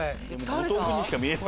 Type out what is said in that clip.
後藤君にしか見えない。